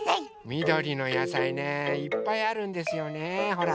みどりのやさいねいっぱいあるんですよねほら！